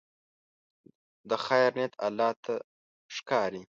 د خیر نیت الله ته ښکاري.